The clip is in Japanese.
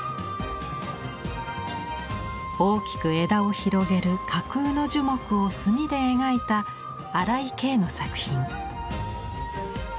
大きく枝を広げる架空の樹木を墨で描いた荒井経の作品。